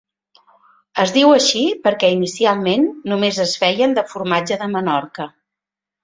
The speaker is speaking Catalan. Es diu així perquè inicialment només es feien de formatge de Menorca.